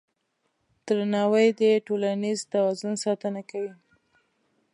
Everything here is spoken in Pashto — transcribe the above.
درناوی د ټولنیز توازن ساتنه کوي.